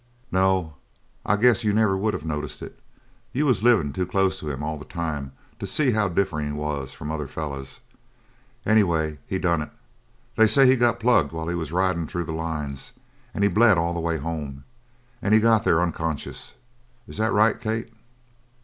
"No, I guess you never would have noticed it. You was livin' too close to him all the time to see how different he was from other fellers. Anyway, he done it. They say he got plugged while he was ridin' through the lines and he bled all the way home, and he got there unconscious. Is that right, Kate?"